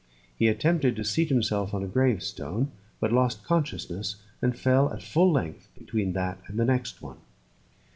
He attempted to seat himself on a grave stone, but lost consciousness, and fell at full length between that and the next one.